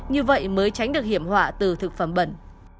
như vậy mới tránh được hiểm họa từ thực phẩm bẩn